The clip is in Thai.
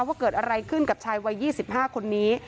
ว่าเกิดอะไรขึ้นกับชายวัย๒๕คนนี้